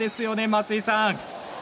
松井さん。